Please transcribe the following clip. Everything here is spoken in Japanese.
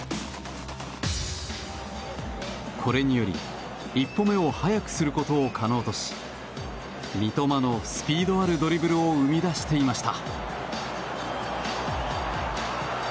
これにより１歩目を速くすることを可能とし三笘のスピードあるドリブルを生み出していました。